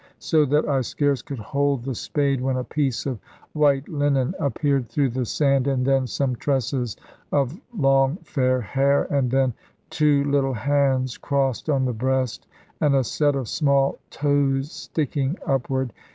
So that I scarce could hold the spade, when a piece of white linen appeared through the sand, and then some tresses of long fair hair, and then two little hands crossed on the breast, and a set of small toes sticking upward.